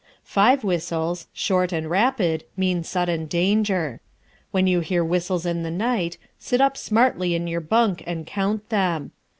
Five whistles, short and rapid, mean sudden danger. When you hear whistles in the night, sit up smartly in your bunk and count them.